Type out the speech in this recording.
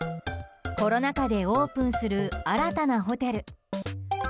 コロナ禍でオープンする新たなホテル。